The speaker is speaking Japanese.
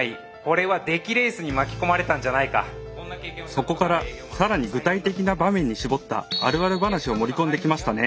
そこから更に具体的な場面に絞ったあるある話を盛り込んできましたね。